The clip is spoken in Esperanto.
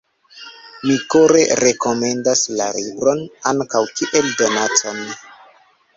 Mi kore rekomendas la libron, ankaŭ kiel donacon!